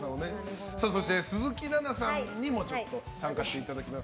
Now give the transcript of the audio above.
そして、鈴木奈々さんにも参加していただきます。